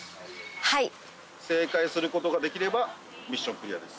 はい正解することができればミッションクリアです